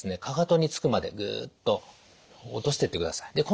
かかとにつくまでグッと落としてってください。